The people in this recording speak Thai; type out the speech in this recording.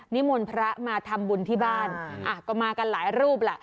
นิมนต์พระมาทำบุญที่บ้านอ่ะก็มากันหลายรูปล่ะ